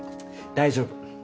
大丈夫。